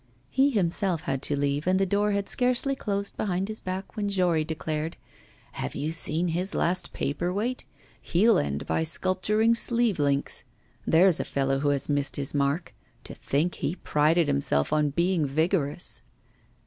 He himself had to leave, and the door had scarcely closed behind his back when Jory declared: 'Have you seen his last paperweight? He'll end by sculpturing sleeve links. There's a fellow who has missed his mark! To think that he prided himself on being vigorous!